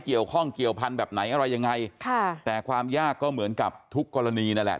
เกี่ยวข้องเกี่ยวพันธุ์แบบไหนอะไรยังไงค่ะแต่ความยากก็เหมือนกับทุกกรณีนั่นแหละ